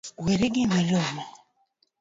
Weri gi miluma.